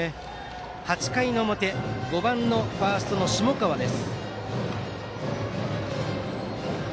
８回表５番ファーストの下川から。